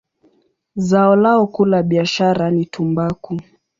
Zao lao kuu la biashara ni tumbaku.